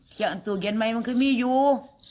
ถ้าตู้เย็นไหมมันคือมีอยู่